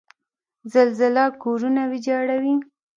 زلزله کورونه ویجاړوي.